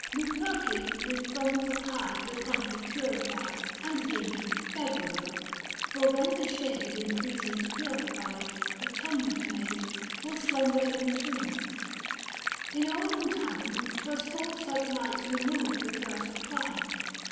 Luperci With thongs of hide the country purify And deem it Februa — for then the shade In precincts purified, atonement made, 20 Will slumber in the tomb. In olden time 'Twas thought such rites removed the curse of crime.